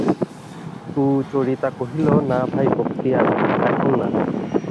সুচরিতা কহিল, না ভাই বক্তিয়ার, এখন না।